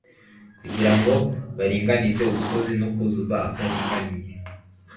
kugira ngo baringanize udusozi no kuzuza ahataringaniye